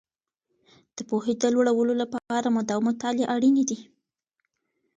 د پوهې د لوړولو لپاره مداوم مطالعه اړینې دي.